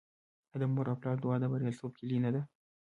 آیا د مور او پلار دعا د بریالیتوب کیلي نه ده؟